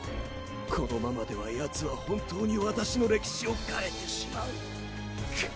このままではヤツは本当に私の歴史を変えてしまう。